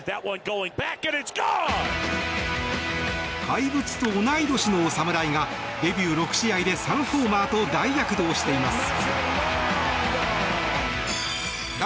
怪物と同い年の侍がデビュー６試合で３ホーマーと大躍動しています。